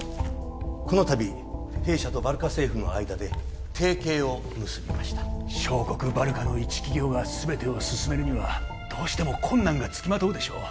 このたび弊社とバルカ政府の間で提携を結びました小国バルカの一企業が全てを進めるにはどうしても困難がつきまとうでしょう